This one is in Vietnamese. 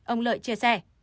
ông lợi chia sẻ